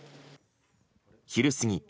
昼過ぎ